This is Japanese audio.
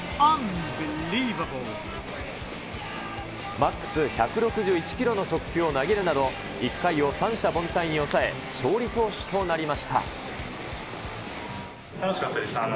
マックス１６１キロの速球を投げるなど、１回を三者凡退に抑え、楽しかったです。